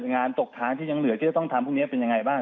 งานตกค้างที่ยังเหลือที่จะต้องทำพวกนี้เป็นยังไงบ้าง